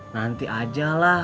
nanti aja lah